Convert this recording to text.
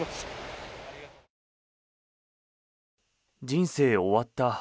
人生終わった。